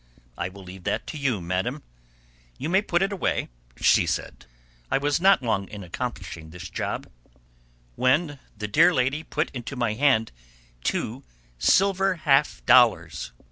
"I will leave that to you, madam." "You may put it away," she said. I was not long in accomplishing the job, when the dear lady put into my hand two silver half dollars.